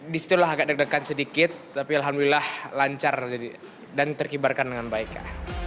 disitulah agak deg degan sedikit tapi alhamdulillah lancar dan terkibarkan dengan baik